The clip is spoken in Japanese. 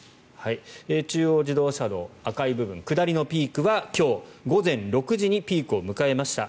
中央自動車道赤い部分下りのピークは今日午前６時にピークを迎えました。